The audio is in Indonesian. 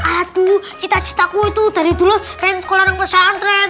aku cita citaku itu dari dulu pengen sekolah non pesantren